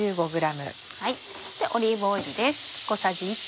オリーブオイルです。